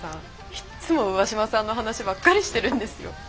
いっつも上嶋さんの話ばっかりしてるんですよ。